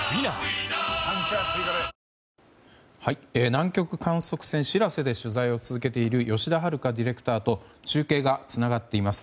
南極観測船「しらせ」で取材を続けている吉田遥ディレクターと中継がつながっています。